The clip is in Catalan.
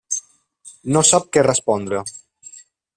No sap què respondre.